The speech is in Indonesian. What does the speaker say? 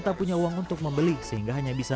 tak punya uang untuk membeli sehingga hanya bisa